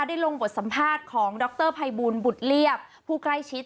ได้ลงบทสัมภาษณ์ของดรภัยบูลบุตรเรียบผู้ใกล้ชิด